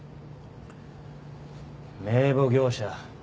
名簿業者。